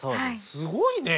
すごいね。